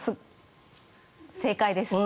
正解です。